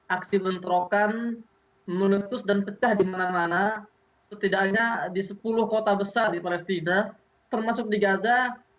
aksi bentrokan menuntus dan pecah di mana mana setidaknya di sepuluh kota besar di palestina termasuk di gaza